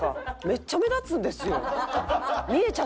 めっちゃ目立つんですよ！